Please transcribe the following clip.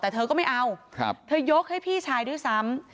แต่เธอก็ไม่เอาเธอยกให้พี่ชายด้วยซ้ำ